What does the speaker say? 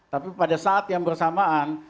tapi pada saat yang bersamaan